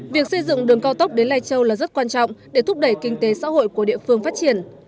việc xây dựng đường cao tốc đến lai châu là rất quan trọng để thúc đẩy kinh tế xã hội của địa phương phát triển